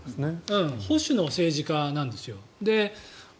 保守の政治家なんですよ。